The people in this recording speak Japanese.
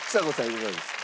いかがですか？